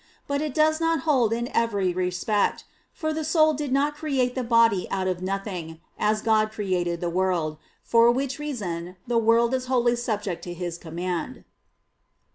But it does not hold in every respect: for the soul did not create the body out of nothing, as God created the world; for which reason the world is wholly subject to His command.